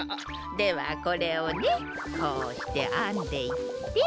ではこれをねこうしてあんでいって。